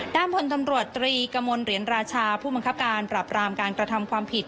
ด้านพลตำรวจตรีกระมวลเหรียญราชาผู้บังคับการปรับรามการกระทำความผิด